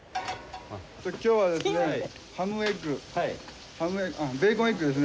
今日はですねハムエッグベーコンエッグですね。